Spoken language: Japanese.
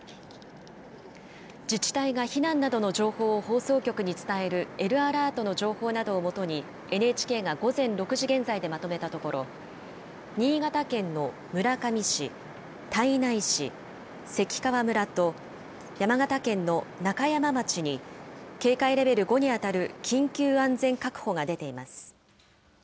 自治体が避難などの情報を放送局に伝えるＬアラートの情報などを基に、ＮＨＫが午前６時現在でまとめたところ、新潟県の村上市、胎内市、関川村と、山形県の中山町に、警戒レベル５に当たる緊急安全確保が出ています。